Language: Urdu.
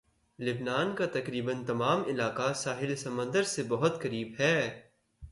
لبنان کا تقریباً تمام علاقہ ساحل سمندر سے بہت قریب ہے